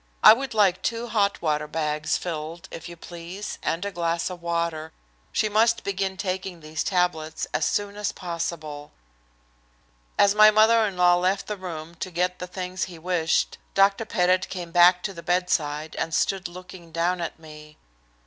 I would like two hot water bags filled, if you please, and a glass of water. She must begin taking these tablets as soon as possible." As my mother in law left the room to get the things he wished, Dr. Pettit came back to the bedside and stood looking down at me.